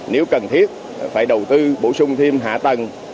nếu cần thiết phải đầu tư bổ sung thêm hạ tầng